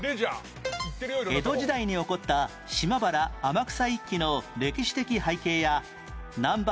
江戸時代に起こった島原・天草一揆の歴史的背景や南蛮